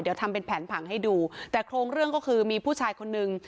เดี๋ยวทำเป็นแผนผังให้ดูแต่โครงเรื่องก็คือมีผู้ชายคนนึง